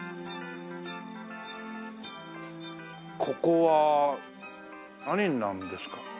ここは何になるんですか？